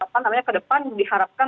sehingga ke depan diharapkan